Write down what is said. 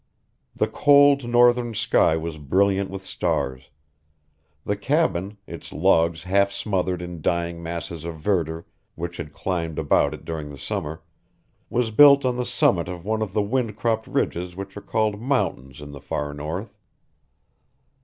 The cold northern sky was brilliant with stars. The cabin, its logs half smothered in dying masses of verdure which had climbed about it during the summer, was built on the summit of one of the wind cropped ridges which are called mountains in the far north.